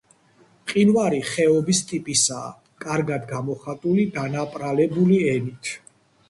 მყინვარი ხეობის ტიპისაა, კარგად გამოხატული დანაპრალებული ენით.